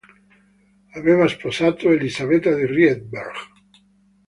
Aveva sposato Elisabetta di Rietberg.